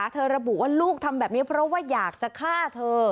ระบุว่าลูกทำแบบนี้เพราะว่าอยากจะฆ่าเธอ